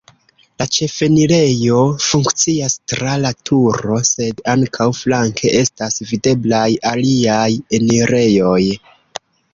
La ĉefenirejo funkcias tra la turo, sed ankaŭ flanke estas videblaj aliaj enirejoj.